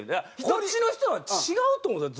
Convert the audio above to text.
こっちの人は違うと思うんですよ